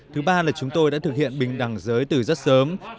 thứ ba là chúng tôi đã thực hiện bình đẳng giới từ rất sớm